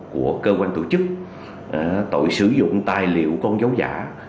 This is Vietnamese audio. của cơ quan tổ chức tội sử dụng tài liệu con dấu giả